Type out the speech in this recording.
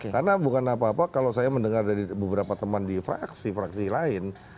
karena bukan apa apa kalau saya mendengar dari beberapa teman di fraksi fraksi lain